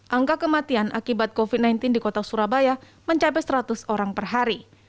angka kematian akibat covid sembilan belas di kota surabaya mencapai seratus orang per hari